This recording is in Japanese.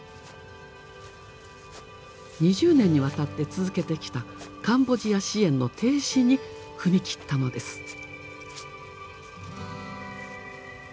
２０年にわたって続けてきたカンボジア支援の停止に踏み切ったのです。